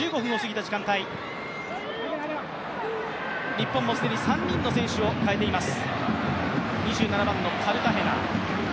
日本も既に３人の選手を代えています。